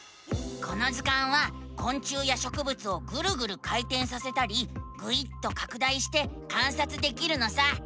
この図鑑はこん虫やしょくぶつをぐるぐる回てんさせたりぐいっとかく大して観察できるのさ！